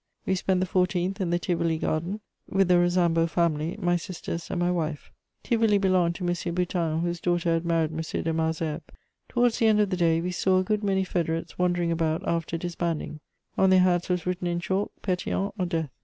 We spent the 14th in the Tivoli garden, with the Rosanbo family, my sisters and my wife. Tivoli belonged to M. Boutin, whose daughter had married M. de Malesherbes. Towards the end of the day we saw a good many federates wandering about after disbanding; on their hats was written in chalk, "Pétion or death!"